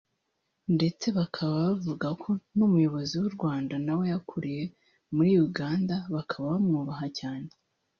ndetse bakabavuga ko n’umuyobozi w’u Rwanda nawe yakuriye muri Uganda bakaba bamwubaha cyane